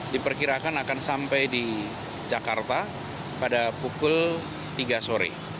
diperkirakan akan sampai di jakarta pada pukul tiga sore